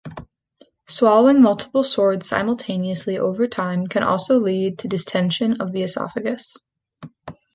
Swallowing multiple swords simultaneously over time can also lead to distension of the esophagus.